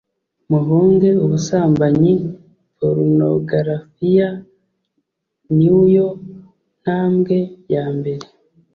Muhunge ubusambanyi Porunogarafiya ni yo ntambwe yambere